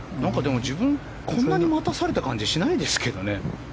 自分こんなに待たされた感じしないんですけどね。